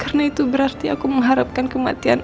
karena itu berarti aku mengharapkan kematian andi